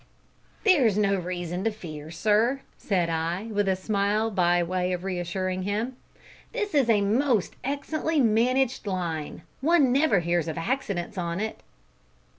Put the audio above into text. "There is no reason to fear, sir," said I, with a smile, by way of reassuring him. "This is a most excellently managed line one never hears of accidents on it."